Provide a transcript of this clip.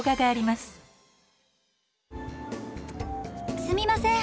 すみません。